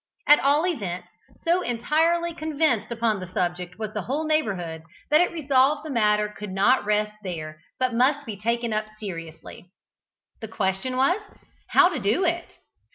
At all events, so entirely convinced upon the subject was the whole neighbourhood, that it was resolved that the matter could not rest there, but must be taken up seriously. The question was, how to do it?